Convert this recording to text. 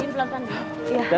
ipin pelan pelan dulu